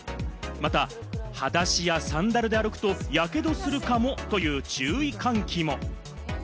また、はだしやサンダルで歩くとやけどするかもという注意喚起も。